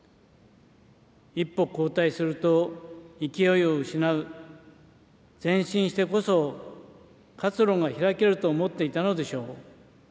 一歩後退すると勢いを失う、前進してこそ活路が開けると思っていたのでしょう。